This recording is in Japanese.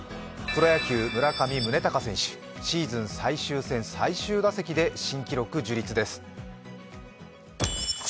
プロ野球、村上宗隆選手、シーズン最終戦最終打席で新記録樹立です。